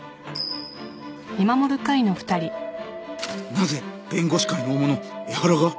・「なぜ弁護士会の大物江原が？」